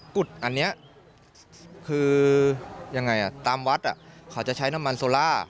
กุดอันนี้คือยังไงตามวัดเขาจะใช้น้ำมันโซล่า